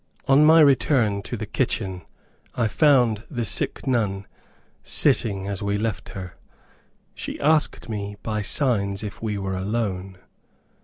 On my return to the kitchen I found the sick nun sitting as we left her. She asked me, by signs, if we were alone.